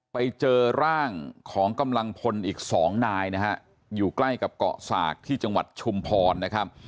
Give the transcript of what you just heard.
ไปเจอร่างของกำลังพลอีกสองนายนะฮะอยู่ใกล้กับเกาะสากที่จังหวัดชุมพรนะครับ